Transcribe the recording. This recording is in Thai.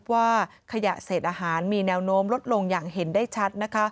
ว่าขยะเศษอาหารมีแนวโน้มลดลงอย่างเห็นได้ชัด